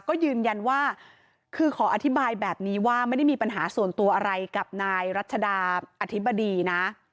ก็ยืนยันว่าคือขออธิบายแบบนี้ว่าไม่ได้มีปัญหาส่วนตัวอะไรกับนายรัชดาอธิบดีนะ